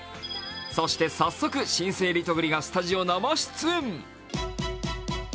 そして早速新生リトグリがスタジオ生出演。